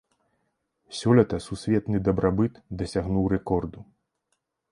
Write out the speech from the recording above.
Сёлета сусветны дабрабыт дасягнуў рэкорду.